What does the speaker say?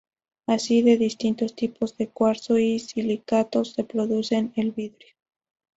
Así, de distintos tipos de cuarzo y silicatos, se produce el vidrio.